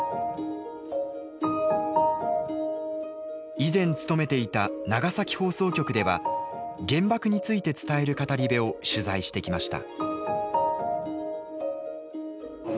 以前勤めていた長崎放送局では原爆について伝える語り部を取材してきました。